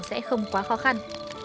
sẽ không quá khó khăn